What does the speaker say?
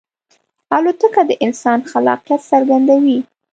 الوتکه د انسان خلاقیت څرګندوي.